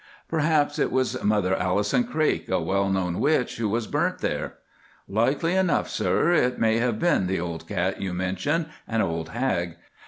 "Perhaps it was Mother Alison Craik, a well known witch, who was burnt there." "Likely enough, sir, it may have been the old cat you mention, an old hag.